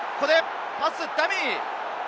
パスダミー。